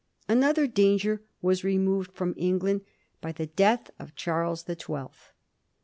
Another danger was removed from England by the death of Charles the Twelfth.